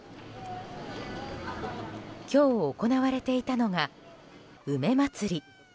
今日行われていたのが梅まつり。